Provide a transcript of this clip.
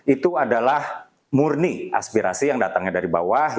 itu adalah murni aspirasi yang datangnya dari bawah